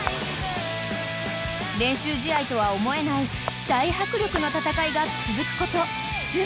［練習試合とは思えない大迫力の戦いが続くこと１０分］